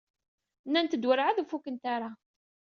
Nnant-d werɛad ur fukent ara.